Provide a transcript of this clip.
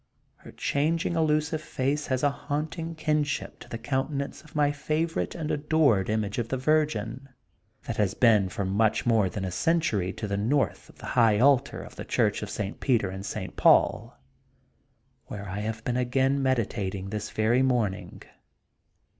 Her changing elusive face has a haunt ing kinship to the countenance of my favorite and adored image of the virgin that has been for much more than a century to the north of the high altar of the church of St. Peter and St. Paul, where I have been again meditating this very morning.